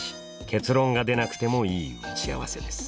結論が出なくてもいい打ち合わせです。